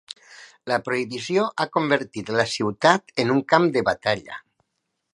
La prohibició ha convertit la ciutat en un camp de batalla.